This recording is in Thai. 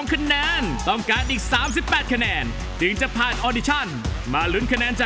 คำคอมเมนต์ที่ดีกับตัวเลขของคะแนนนั้นจะไปในทิศทางเดียวกันหรือไม่นะคะ